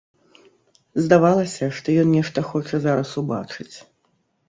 Здавалася, што ён нешта хоча зараз убачыць.